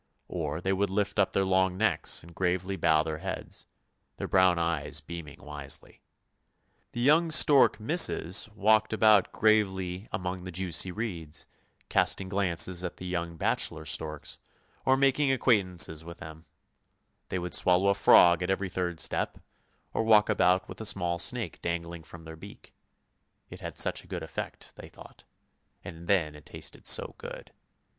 Or they would lift up their long necks and gravely bow their heads, their brown eyes beaming wisely. The young stork misses walked about gravely among the juicy reeds, casting glances at the young bachelor storks, or making acquaintance with them; they would swallow a frog at every third step, or walk about with a small snake dangling from their beak, it had such a good effect they thought, and then it tasted so good.